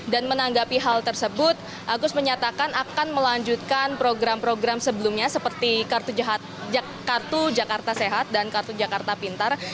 dan menanggapi hal tersebut agus menyatakan akan melanjutkan program program sebelumnya seperti kartu jakarta sehat dan kartu jakarta pintar